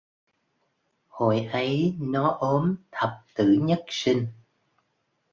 Hồi ấy nó ốm thập tử Nhất Sinh